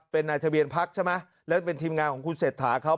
เป็นนายทะเบียนพักใช่ไหมแล้วเป็นทีมงานของคุณเศรษฐาเขา